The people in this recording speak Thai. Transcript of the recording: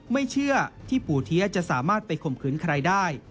ไม่เชื่อที่ปู่เทียจะสามารถไปข่มขืนใครได้